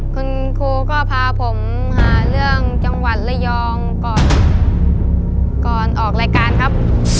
คุณครูก็พาผมหาเรื่องจังหวัดระยองก่อนก่อนออกรายการครับ